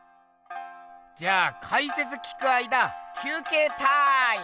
じゃあかいせつ聞く間きゅうけいターイム！